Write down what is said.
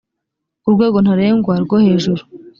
urwego ntarengwa rwo hejuru